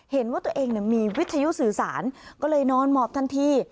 เห็นว่าตัวเองมีวิทยุสื่อสารก็เลยนอนหมอบทันที